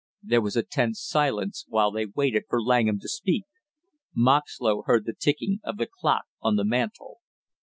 There was a tense silence while they waited for Langham to speak. Moxlow heard the ticking of the clock on the mantel.